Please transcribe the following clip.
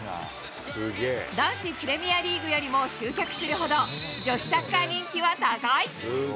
男子プレミアリーグよりも集客するほど、女子サッカー人気は高い。